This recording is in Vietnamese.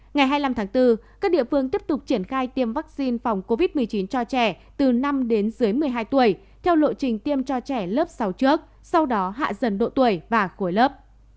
ngày hai mươi năm tháng bốn các địa phương tiếp tục triển khai tiêm vaccine phòng covid một mươi chín cho trẻ từ năm đến dưới một mươi hai tuổi theo lộ trình tiêm cho trẻ lớp sáu trước sau đó hạ dần độ tuổi và khối lớp